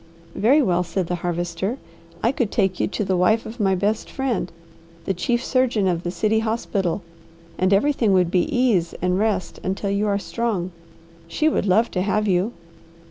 "Very well," said the Harvester. "I could take you to the wife of my best friend, the chief surgeon of the city hospital, and everything would be ease and rest until you are strong; she would love to have you."